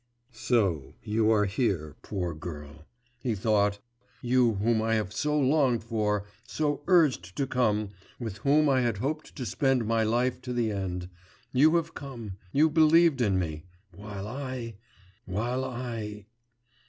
'So you are here, poor girl,' he thought, 'you whom I have so longed for, so urged to come, with whom I had hoped to spend my life to the end, you have come, you believed in me ... while I ... while I.